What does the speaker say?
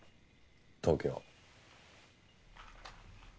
東京。